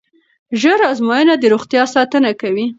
ژر ازموینه د روغتیا ساتنه کوي.